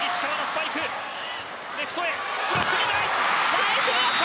ナイスブロック。